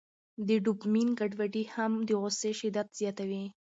د ډوپامین ګډوډي هم د غوسې شدت زیاتوي.